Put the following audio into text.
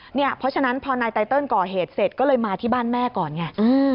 เพราะฉะนั้นพอนายไตเติลก่อเหตุเสร็จก็เลยมาที่บ้านแม่ก่อนไง